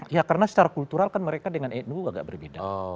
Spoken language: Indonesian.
ya karena secara kultural kan mereka dengan nu agak berbeda